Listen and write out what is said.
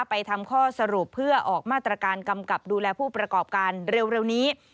ไปทำข้อสรุปเพื่อออกมาตรการกำกับดูแลผู้ประกอบการเร็วนี้